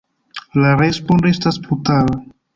La respondo estas brutala.